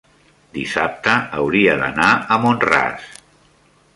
dissabte hauria d'anar a Mont-ras.